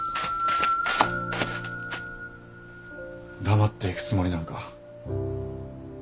黙って行くつもりなんか？